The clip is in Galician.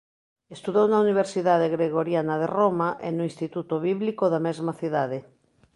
Estudou na Universidade Gregoriana de Roma e no Instituto Bíblico da mesma cidade.